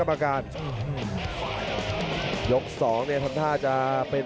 ขวางแขงขวาเจอเททิ้ง